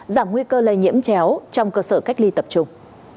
giảm nguy cơ lây nhiễm chéo trong cơ sở cách ly tập trung